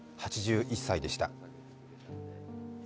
８１歳でした。